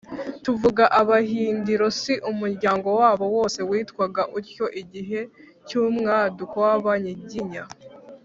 tuvuga abahindiro; si umuryango wabo wose witwaga utyo, igihe cy’umwaduko w’abanyiginya,